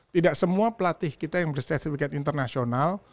tidak semua pelatih kita yang bersertifikat internasional